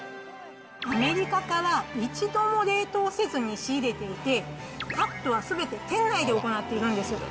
アメリカから一度も冷凍せずに仕入れていて、カットはすべて店内で行っているんです。